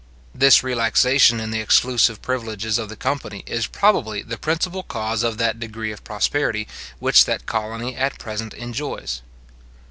This relaxation in the exclusive privileges of the company, is probably the principal cause of that degree of prosperity which that colony at present enjoys.